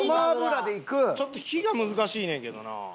ちょっと火が難しいねんけどな。